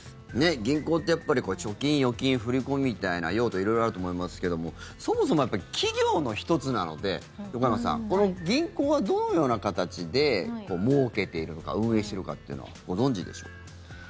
銀行って貯金、預金、振り込みみたいな用途、色々あると思いますけどもそもそも企業の１つなので横山さん、銀行はどのような形でもうけているのか運営してるかっていうのはご存じでしょうか？